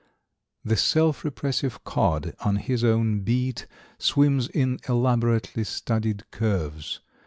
= The self repressive Cod, on his own beat, Swims in elaborately studied curves.